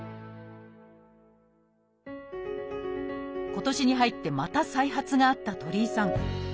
今年に入ってまた再発があった鳥居さん。